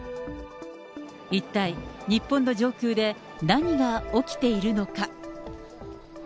一体、日本の上空で何が起きているのか。